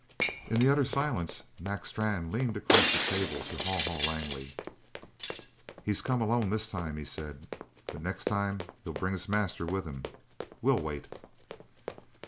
In the utter silence Mac Strann leaned across the table to Haw Haw Langley. "He's come alone this time," he said, "but the next time he'll bring his master with him. We'll wait!"